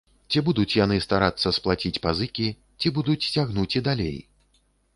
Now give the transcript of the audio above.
Ці будуць яны старацца сплаціць пазыкі, ці будуць цягнуць і далей?